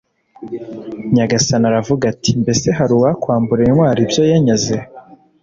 nyagasani aravuga ati, “mbese hari uwakwambura intwari ibyo yanyaze?